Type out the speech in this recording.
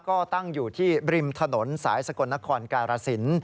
ก็ตั้งอยู่ที่ริมถนนสายสกลนครการสิน